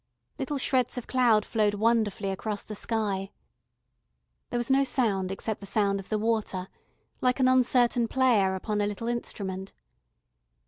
Little shreds of cloud flowed wonderfully across the sky. There was no sound except the sound of the water, like an uncertain player upon a little instrument.